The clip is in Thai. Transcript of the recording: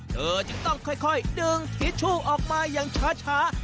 เธอจึงต้องค่อยดึงทิชชู่ออกมาอย่างช้า